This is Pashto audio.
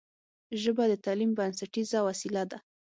ژبه د تعلیم بنسټیزه وسیله ده